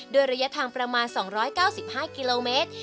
ระยะทางประมาณ๒๙๕กิโลเมตร